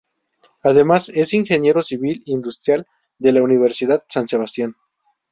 Además, es ingeniero civil industrial de la Universidad San Sebastián.